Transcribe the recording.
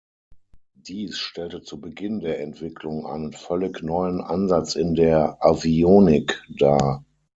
Dies stellte zu Beginn der Entwicklung einen völlig neuen Ansatz in der Avionik dar.